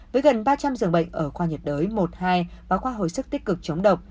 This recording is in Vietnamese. với gần ba trăm linh dường bệnh ở khoa nhiệt đới một hai và khoa hồi sức tích cực chống độc